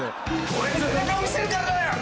俺に背中を見せるからだよ！